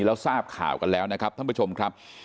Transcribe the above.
แล้วทราบข่าวกันแล้วนะครับท่านผู้ชมครับ